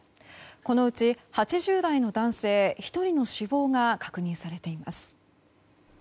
このうち８０代の男性１人の死亡が確認されています。